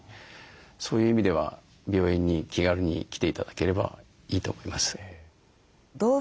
そういう意味では病院に気軽に来て頂ければいいと思います。